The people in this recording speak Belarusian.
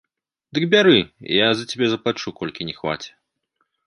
Дык бяры, я за цябе заплачу, колькі не хваце.